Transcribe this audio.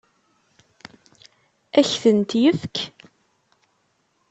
Ad k-tent-yefk?